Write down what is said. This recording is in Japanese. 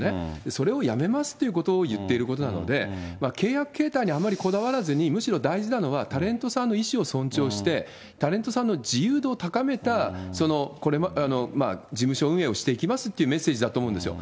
それをやめますということを言っていることなので、契約形態にあまりこだわらずに、むしろ大事なのはタレントさんの意思を尊重して、タレントさんの自由度を高めた事務所運営をしていきますっていうメッセージだと思うんですよ。